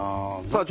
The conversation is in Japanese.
さあ